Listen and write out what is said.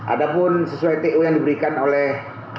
ada pun sesuai tu yang diberikan oleh